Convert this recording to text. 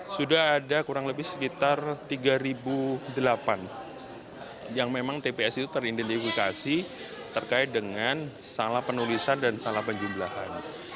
sudah ada kurang lebih sekitar tiga delapan yang memang tps itu teridentifikasi terkait dengan salah penulisan dan salah penjumlahan